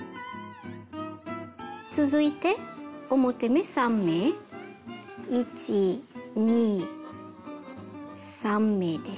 続いて表目３目１２３目ですね。